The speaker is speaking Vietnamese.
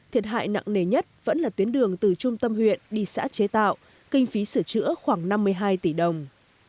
thiệt hại nặng nề nhất vẫn là tuyến đường từ trung tâm huyện đi xã chế tạo kinh phí sửa chữa khoảng năm mươi hai tỷ đồng